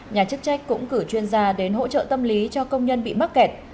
nhà chức trách cũng cử chuyên gia đến hỗ trợ tâm lý cho công nhân bị mắc kẹt